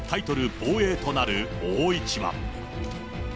防衛となる大一番。